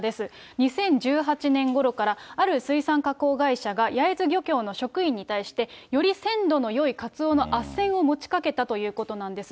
２０１８年ごろからある水産加工会社が、焼津漁協の職員に対して、より鮮度のよいカツオのあっせんを持ちかけたということなんです。